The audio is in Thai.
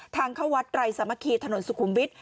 ทางเข้าวัดไตรสามัคคีถนนสุขุมวิทย